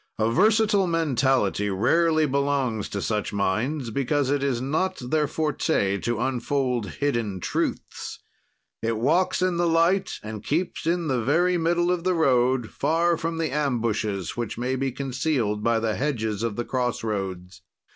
A versatile mentality rarely belongs to such minds, because it is not their forte to unfold hidden truths. It walks in the light and keeps in the very middle of the road, far from the ambushes which may be concealed by the hedges of the cross roads.